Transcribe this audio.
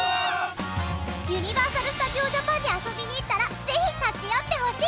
ユニバーサル・スタジオ・ジャパンに遊びに行ったらぜひ立ち寄ってほしい！